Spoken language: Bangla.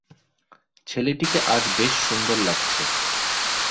ছেলেটিকে আজ বেশ সুন্দর লাগছে।